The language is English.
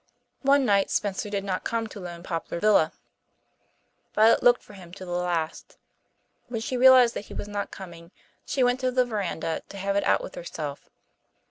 One night Spencer did not come to Lone Poplar Villa. Violet looked for him to the last. When she realized that he was not coming she went to the verandah to have it out with herself.